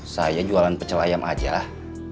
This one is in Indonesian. saya jualan pecel ayam aja